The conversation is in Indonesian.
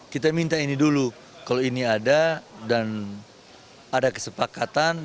kita minta ini dulu kalau ini ada dan ada kesepakatan